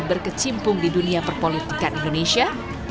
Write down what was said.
berkecimpung di dunia perpolitikan indonesia